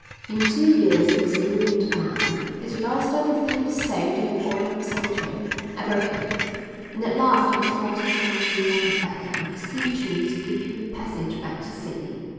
"In two years he was a ruined man. He'd lost everything he'd saved in a quarter of a century. I broke him, and at last he was forced to come to me like a beggar and beseech me to give him a passage back to Sydney."